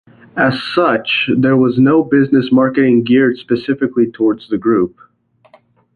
As such, there was no business marketing geared specifically towards the group.